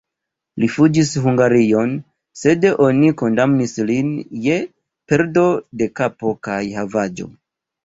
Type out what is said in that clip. Li fuĝis Hungarion, sed oni kondamnis lin je perdo de kapo kaj havaĵo.